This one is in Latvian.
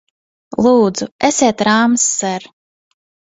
Lūdzu, esiet rāms, ser!